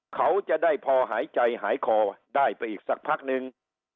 เขาจะได้พอหายใจหายคอได้ไปอีกสักพักนึง